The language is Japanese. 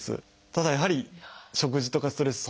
ただやはり食事とかストレス